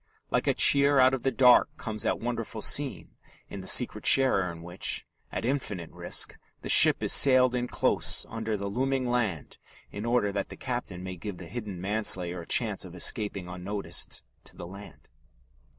Like a cheer out of the dark comes that wonderful scene in The Secret Sharer in which, at infinite risk, the ship is sailed in close under the looming land in order that the captain may give the hidden manslayer a chance of escaping unnoticed to the land.